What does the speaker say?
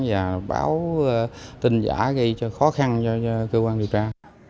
và báo tin giả gây cho khó khăn cho cơ quan điều tra